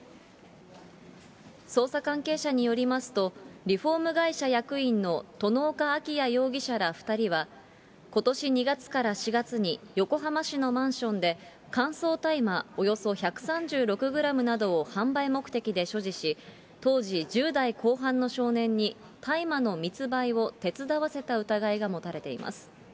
捜査関係者によりますと、リフォーム会社役員の外岡あきや容疑者ら２人は、ことし２月から４月に横浜市のマンションで、乾燥大麻およそ１３６グラムなどを販売目的で所持し、当時、１０代後半の少年に大麻の密売を手伝わせた疑いが持たれています。